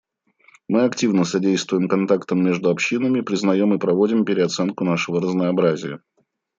Мы активно содействуем контактам между общинами, признаем и проводим переоценку нашего разнообразия.